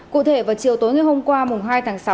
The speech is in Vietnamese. cụ thể vào chiều tối ngày hôm qua hai tháng sáu